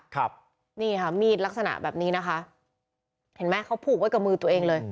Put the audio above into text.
ครับนี่ค่ะมีดลักษณะแบบนี้นะคะเห็นไหมเขาผูกไว้กับมือตัวเองเลย